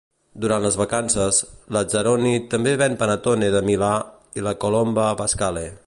Durant les vacances, Lazzaroni també ven panettone de Milà i la "Colomba Pasquale".